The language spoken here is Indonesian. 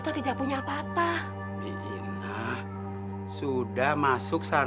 udah ambil yang lainnya